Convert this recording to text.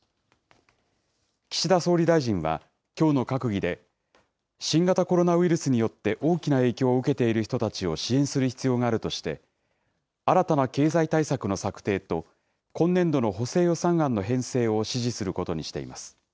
岸田総理大臣は、きょうの閣議で、新型コロナウイルスによって大きな影響を受けている人たちを支援する必要があるとして、新たな経済対策の策定と、今年度の補正予算案の編成を指示することにしています。